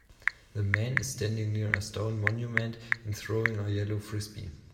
The man is standing near a stone monument and throwing a yellow Frisbee.